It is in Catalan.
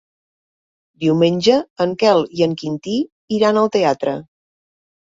Diumenge en Quel i en Quintí iran al teatre.